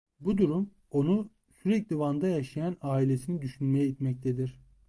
Bu durum onu sürekli Van'da yaşayan ailesini düşünmeye itmektedir.